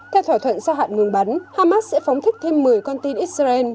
theo thỏa thuận gia hạn ngừng bắn hamas sẽ phóng thích thêm một mươi con tin israel